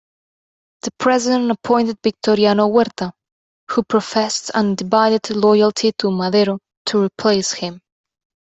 The president appointed Victoriano Huerta, who professed undivided loyalty to Madero to replace him.